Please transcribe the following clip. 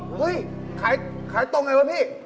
เฮ่ยขายตรงไงบ้างพี่